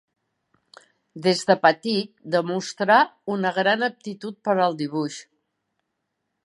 Des de petit demostrà una gran aptitud per al dibuix.